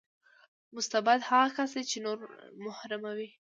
مستبد هغه کس دی چې نور محروموي.